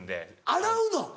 洗うの？